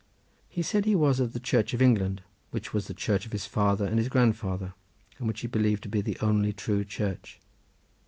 He said he was of the Church of England, which was the Church of his father and his grandfather, and which he believed to be the only true Church.